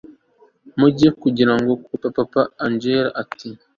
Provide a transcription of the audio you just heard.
mujya kungana koko papa angella ati